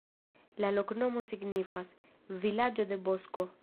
La loknomo signifas: vilaĝo de bosko.